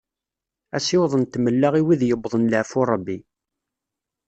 Asiweḍ n tmella i wid yewwḍen leɛfu n Rebbi.